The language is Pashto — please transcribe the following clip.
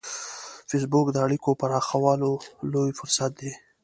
فېسبوک د اړیکو پراخولو لوی فرصت دی